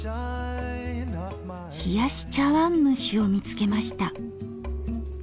冷やし茶わんむしを見つけました。